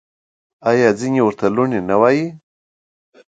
آیا ځینې ورته لوني نه وايي؟